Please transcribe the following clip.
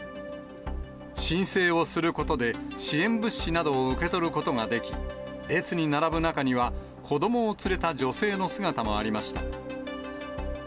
申請をすることで、支援物資などを受け取ることができ、列に並ぶ中には、子どもを連れた女性の姿もありました。